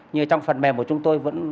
nhưng trong phần mềm của chúng tôi vẫn